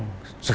đối tượng xe này